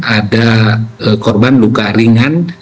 ada korban luka ringan